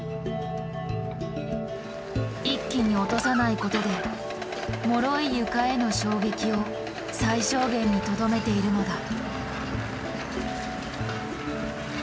一気に落とさないことでもろい床への衝撃を最小限にとどめているのだ。